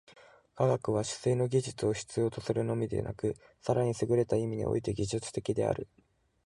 科学は思惟の技術を必要とするのみでなく、更にすぐれた意味において技術的である。